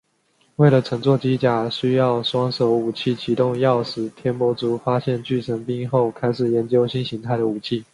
为了乘坐机甲需要双手武器启动钥匙天魔族发现巨神兵后开始研究新形态的武器。